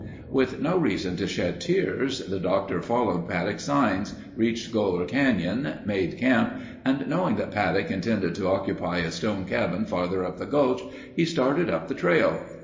_ With no reason to shed tears, the Doctor following Paddock's signs, reached Goler Canyon, made camp and knowing that Paddock intended to occupy a stone cabin farther up the gulch, he started up the trail.